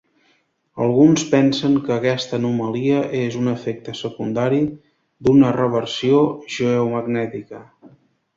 Alguns pensen que aquesta anomalia és un efecte secundari d'una reversió geomagnètica.